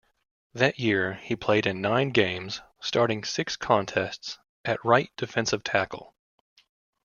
That year, he played in nine games, starting six contests at right defensive tackle.